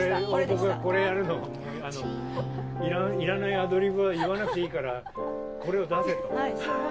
僕、これやるのいらないアドリブ言わなくていいからこれを出せと。